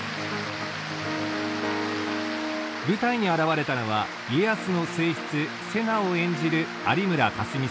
舞台に現れたのは家康の正室瀬名を演じる有村架純さんと。